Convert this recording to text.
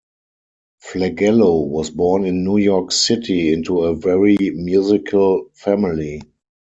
Flagello was born in New York City, into a very musical family.